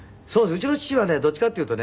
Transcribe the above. うちの父はねどっちかっていうとね